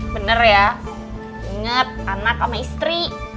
bener ya inget anak sama istri